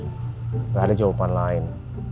gak ada jawaban lain